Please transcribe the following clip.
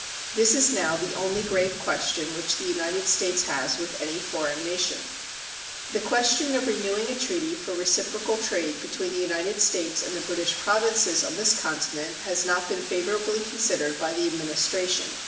This is now the only grave question which the United States has with any foreign nation. The question of renewing a treaty for reciprocal trade between the United States and the British Provinces on this continent has not been favorably considered by the Administration.